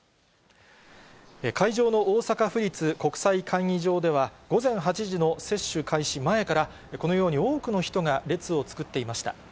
会場の大阪府立国際会議場では、午前８時の接種開始前から、このように多くの人が列を作っていました。